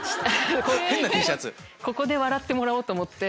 ここで笑ってもらおうと思って。